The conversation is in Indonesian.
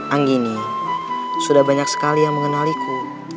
anggi nih sudah banyak sekali yang mengenaliku